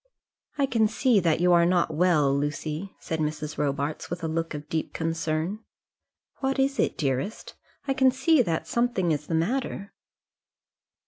"I can see that you are not well, Lucy," said Mrs. Robarts, with a look of deep concern. "What is it, dearest? I can see that something is the matter."